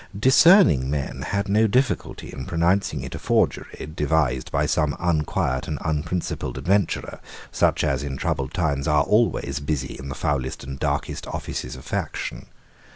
Discerning men had no difficulty in pronouncing it a forgery devised by some unquiet and unprincipled adventurer, such as, in troubled times, are always busy in the foulest and darkest offices of faction.